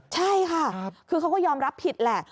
ใช่ค่ะคือเขาก็ยอมรับผิดแหละ